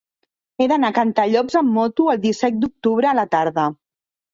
He d'anar a Cantallops amb moto el disset d'octubre a la tarda.